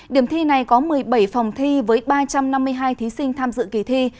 điểm thi này có một mươi bảy phòng thi với ba trăm năm mươi hai thí sinh tham dự kỳ thi